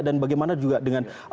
dan bagaimana juga dengan